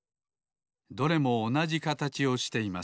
どれもおなじかたちをしています。